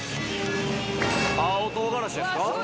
青唐辛子ですか？